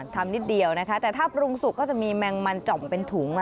นิดเดียวนะคะแต่ถ้าปรุงสุกก็จะมีแมงมันจ่อมเป็นถุง